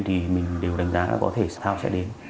thì mình đều đánh giá là có thể thao sẽ đến